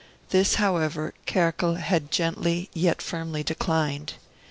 This, however, Kerkel had gently yet firmly declined.